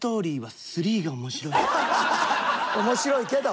面白いけど！